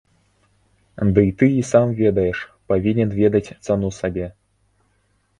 Дый ты і сам ведаеш, павінен ведаць цану сабе.